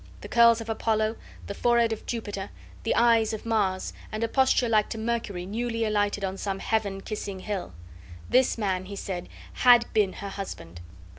the curls of Apollo, the forehead of Jupiter, the eye of Mars, and a posture like to Mercury newly alighted on some heaven kissing hill! this man, he said, HAD BEEN her husband.